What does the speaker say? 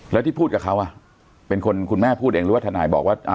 แล้วที่พูดกับเขาเป็นคนคุณแม่พูดเองหรือว่าทนายบอกว่า